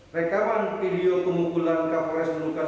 rekaman video kemukulan kapolai senjukan